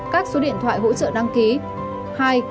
các số điện thoại hỗ trợ đăng ký